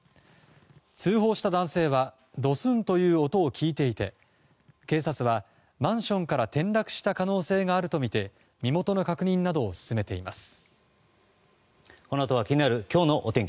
通報した男性はドスンという音を聞いていて警察は、マンションから転落した可能性があるとみて身元の確認などを進めています。